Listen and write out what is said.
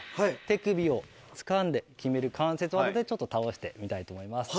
手首をつかんで決める関節技でちょっと倒してみたいと思います。